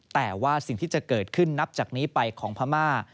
แต่ว่าสิ่งที่จะเกิดขึ้นนับจากนี้ไปของพม่า